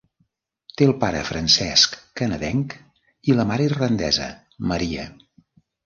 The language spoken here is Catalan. Té el pare francès-canadenc i la mare irlandesa, Maria.